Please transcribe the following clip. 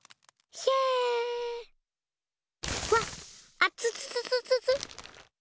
あつつつつつつ！